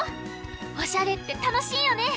おしゃれってたのしいよね。